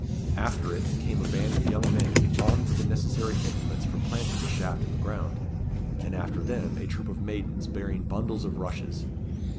After it, came a band of young men, armed with the necessary implements for planting the shaft in the ground; and after them a troop of maidens, bearing bundles of rushes.